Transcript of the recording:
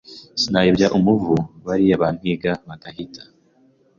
sinayobya umuvu bariya bampiga bagahita